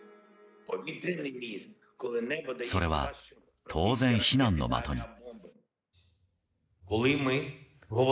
それは当然、非難の的に。